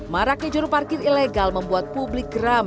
marah kejurup parkir ilegal membuat publik geram